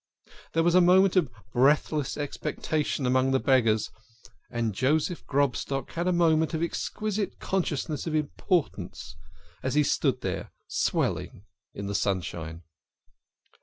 There was 'DIPPED HIS HAND INTO THE BAG." a moment of breathless expectation among the beggars, and Joseph Grobstock had a moment of exquisite consciousness of importance, as he stood there swelling in the .sunshine.